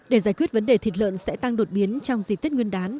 để giải quyết vấn đề thịt lợn sẽ tăng đột biến trong dịp tết nguyên đán